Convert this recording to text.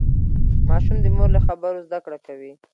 ماشوم د مور له خبرو زده کړه کوي.